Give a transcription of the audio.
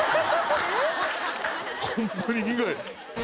ホンマに苦い。